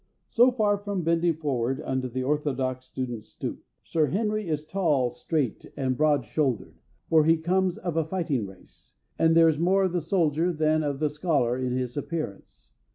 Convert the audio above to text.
So far from bending forward under the orthodox student's stoop, Sir Henry is tall, straight, and broad shouldered, for he comes of a fighting race, and there is more of the soldier than of the scholar in his appearance.